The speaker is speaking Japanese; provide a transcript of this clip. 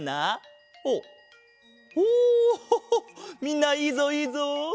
みんないいぞいいぞ！